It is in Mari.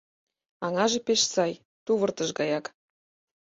Аҥаже пеш сай, тувыртыш гаяк.